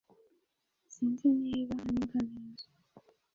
Sinzi niba anyumva neza .